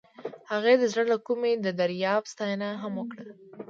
هغې د زړه له کومې د دریاب ستاینه هم وکړه.